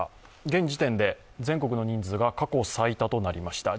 現時点で全国の人数が過去最多となりました。